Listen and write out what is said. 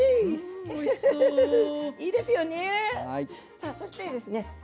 さあそしてですね